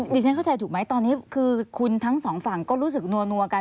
ฉันเข้าใจถูกไหมตอนนี้คือคุณทั้งสองฝั่งก็รู้สึกนัวกัน